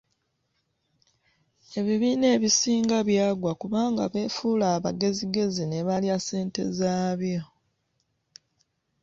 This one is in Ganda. Ebibiina ebisinga byagwa kubanga beefuula abagezigezi ne balya ssente zaabyo.